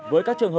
với các trường hợp